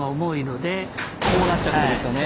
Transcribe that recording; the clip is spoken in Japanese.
こうなっちゃうってことですよね。